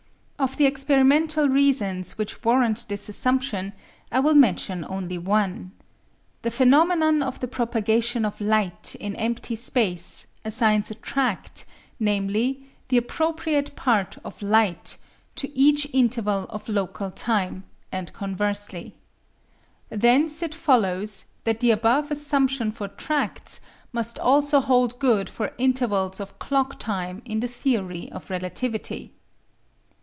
Of the experimental reasons which warrant this assumption I will mention only one. The phenomenon of the propagation of light in empty space assigns a tract, namely, the appropriate path of light, to each interval of local time, and conversely. Thence it follows that the above assumption for tracts must also hold good for intervals of clock time in the theory of relativity.